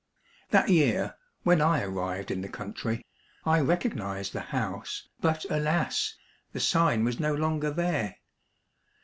That year, when I arrived in the country, I rec ognized the house, but alas ! the sign was no longer there.